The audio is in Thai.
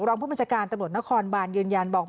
รองผู้บัญชาการตำรวจนครบานยืนยันบอก